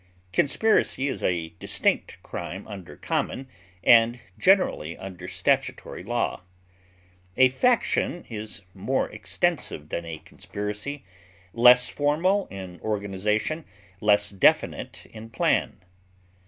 Conspiracy is a distinct crime under common, and generally under statutory, law. A faction is more extensive than a conspiracy, less formal in organization, less definite in plan.